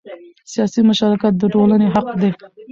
سیاسي مشارکت د ټولنې حق دی